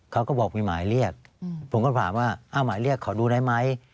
เขาก็บอกมีหมายเรียกผมก็ถามว่าอ้าวหมายเรียกขอดูได้ไหม